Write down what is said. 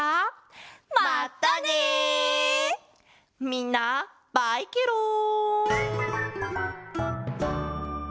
みんなバイケロん！